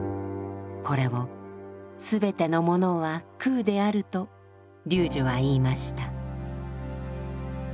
これを「すべてのものは空である」と龍樹は言いました。